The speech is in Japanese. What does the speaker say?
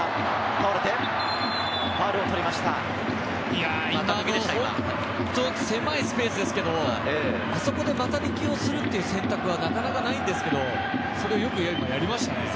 倒れてファウルを取りま狭いスペースですけど、ここで股抜きをするっていう選択はなかなかないんですけど、それをよくやりましたね。